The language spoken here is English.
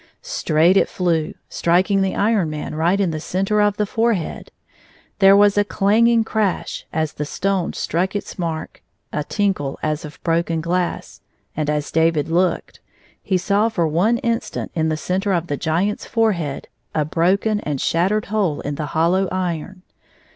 Straight it flew, striking the Iron Man right in the center of the forehead. There was a clang ing crash as the stone struck its mark, a tinkle as of broken glass, and, as David looked, he saw for one instant in the center of the Giant's forehead a broken and shattered hole in the hollow iron.